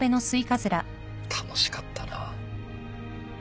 楽しかったな。